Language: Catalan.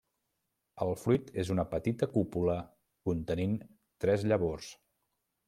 El fruit és una petita cúpula contenint tres llavors.